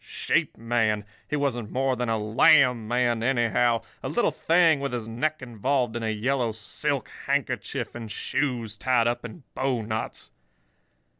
Sheep man?—he wasn't more than a lamb man, anyhow—a little thing with his neck involved in a yellow silk handkerchief, and shoes tied up in bowknots.